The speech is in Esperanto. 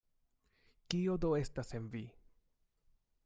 Kio do estas en vi?